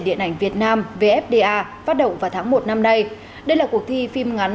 điện ảnh việt nam vfda phát động vào tháng một năm nay đây là cuộc thi phim ngắn